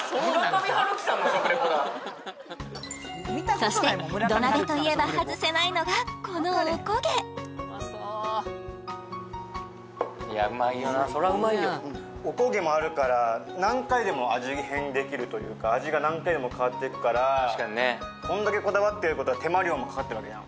そして土鍋といえば外せないのがこのおこげおこげもあるから何回でも味変できるというか味が何回も変わってくからこんだけこだわってるってことは手間料もかかってるわけじゃん